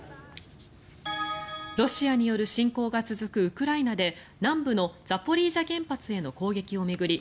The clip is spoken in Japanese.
ロシアによる侵攻が続くウクライナで南部のザポリージャ原発への攻撃を巡り